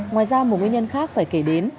ngoài ra một nguyên nhân khác phải kể đến